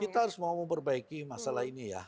kita harus mau memperbaiki masalah ini ya